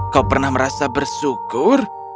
kau pernah merasa bersyukur